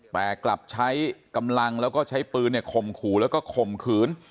แต่กลับใช้กำลังแล้วก็ใช้ปืนข่มขู่แล้วก็ข่มขืน